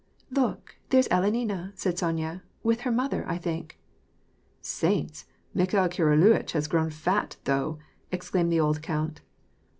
"Look, there's Alenina," said Sonya, "with her mother, I think." *J Saints !* Mikhail Kiriluitch has grown fat, though," ex claimed the old count.